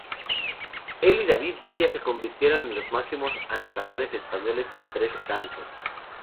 Él y David Villa se convirtieron en los máximos anotadores españoles con tres tantos.